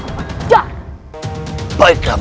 aku bererempat denganmu